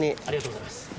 ありがとうございます。